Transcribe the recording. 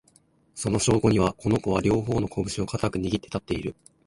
その証拠には、この子は、両方のこぶしを固く握って立っている